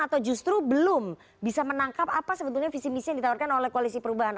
atau justru belum bisa menangkap apa sebetulnya visi misi yang ditawarkan oleh koalisi perubahan